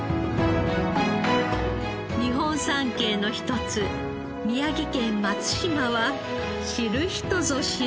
日本三景の一つ宮城県松島は知る人ぞ知る